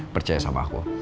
percaya sama aku